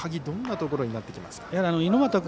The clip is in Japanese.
どんなところになってきますか。